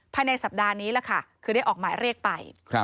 ภายในสัปดาห์นี้ล่ะค่ะคือได้ออกหมายเรียกไป